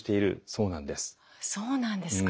そうなんですか。